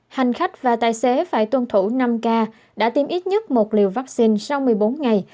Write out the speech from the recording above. hành khách và tài xế phải tuân thủ năm k đã tiêm ít nhất một liều vaccine sau một mươi bốn ngày